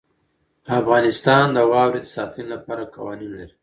افغانستان د واوره د ساتنې لپاره قوانین لري.